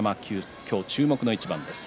今日、注目の一番です。